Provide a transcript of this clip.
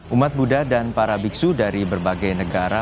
umat buddha dan para biksu dari berbagai negara